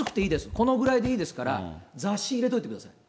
このぐらいでいいですから、雑誌入れといてください。